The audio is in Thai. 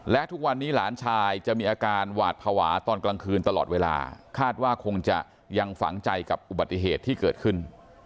และทุกวันนี้หลานชายจะมีอาการหวาดภาวะตอนกลางคืนตลอดเวลาคาดว่าคงจะยังฝังใจกับอุบัติเหตุที่เกิดขึ้น